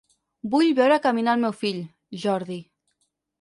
Vull veure caminar el meu fill, Jordi.